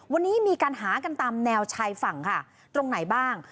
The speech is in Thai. วันนี้มีการหากันตามแนวชายฝั่งค่ะตรงไหนบ้าง